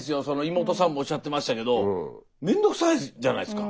妹さんもおっしゃってましたけどめんどくさいじゃないですか。